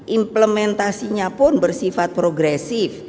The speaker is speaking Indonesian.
implementasinya pun bersifat progresi